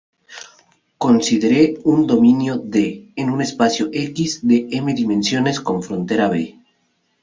Considere un dominio "D" en un espacio "x" de "m" dimensiones, con frontera "B".